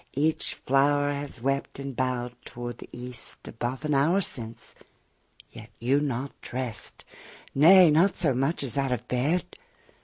Each flower has wept and bow'd toward the east Above an hour since, yet you not drest; Nay! not so much as out of bed?